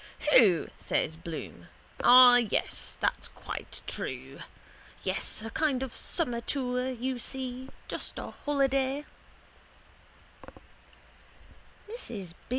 —Who? says Bloom. Ah, yes. That's quite true. Yes, a kind of summer tour, you see. Just a holiday.